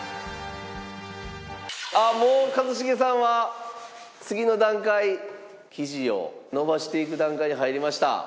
あっもう一茂さんは次の段階生地をのばしていく段階に入りました。